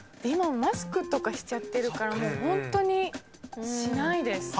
今マスクとかしちゃってるからホントにしないです。